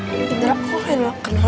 kenapa kenapa ya suaranya